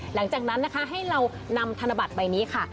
หลังจากนั้นนะคะให้เรานำธนบัตรใบนี้ค่ะ